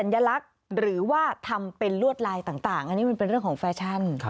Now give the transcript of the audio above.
ลักษณ์หรือว่าทำเป็นลวดลายต่างอันนี้มันเป็นเรื่องของแฟชั่น